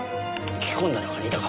聞き込んだ中にいたか？